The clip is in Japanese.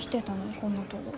こんなとご。